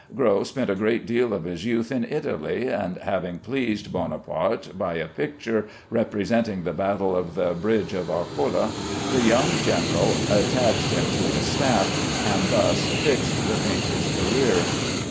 Gros spent a good deal of his youth in Italy, and having pleased Buonaparte by a picture representing the battle of the Bridge of Arcola, the young general attached him to his staff, and thus fixed the painter's career.